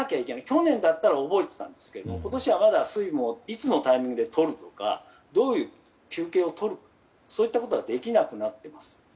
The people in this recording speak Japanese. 去年だったら覚えてたんですけど今年は、まだ水分をいつのタイミングでとるとかどういう休憩をとるかそういったことができなくなっています。